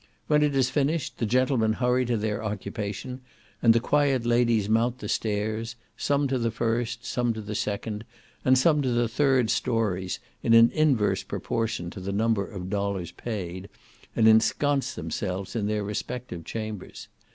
When it is finished, the gentlemen hurry to their occupation, and the quiet ladies mount the stairs, some to the first, some to the second, and some to the third stories, in an inverse proportion to the number of dollars paid, and ensconce themselves in their respective chambers.